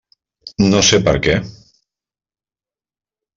No sé per què.